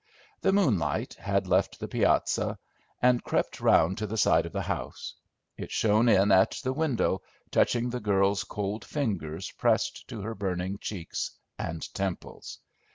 The moonlight had left the piazza, and crept round to the side of the house; it shone in at the window, touching the girl's cold fingers pressed to her burning cheeks and temples.